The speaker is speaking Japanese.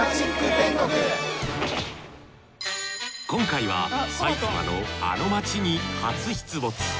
今回は埼玉のあの街に初出没。